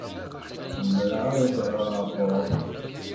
Zemreɣ ad ak-ɣreɣ Bob?